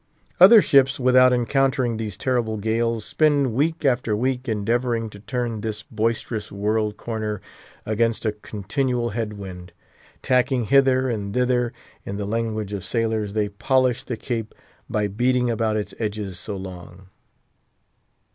Other ships, without encountering these terrible gales, spend week after week endeavouring to turn this boisterous world corner against a continual head wind. Tacking hither and thither, in the language of sailors they polish the Cape by beating about its edges so long.